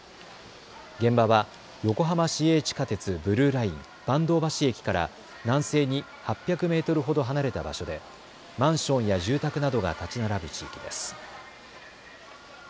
現場は横浜市営地下鉄ブルーライン阪東橋駅から南西に８００メートルほど離れた場所でマンションや住宅などが建ち並ぶ地域です。